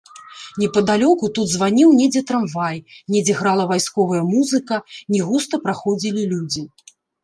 Непадалёку тут званіў недзе трамвай, недзе грала вайсковая музыка, не густа праходзілі людзі.